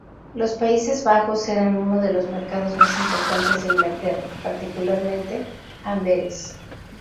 Los Países Bajos eran uno de los mercados más importantes de Inglaterra, particularmente, Amberes.